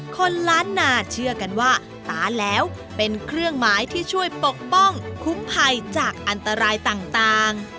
คนล้านนาเชื่อกันว่าตายแล้วเป็นเครื่องหมายที่ช่วยปกป้องคุ้มภัยจากอันตรายต่าง